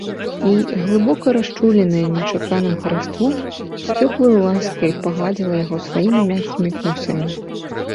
І, глыбока расчуленае нечаканым хараством, з цёплаю ласкай пагладзіла яго сваімі мяккімі косамі.